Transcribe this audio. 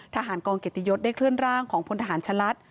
ทหารกองเกียรติยศได้เคลื่อนร่างของพลทหารชะลัด